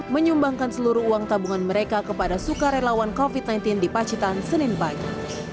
menyumbangkan seluruh uang tabungan mereka kepada sukarelawan covid sembilan belas di pacitan senin pagi